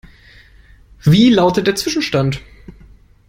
Wie lautet der Zwischenstand?